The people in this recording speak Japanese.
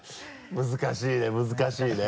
難しいね難しいね。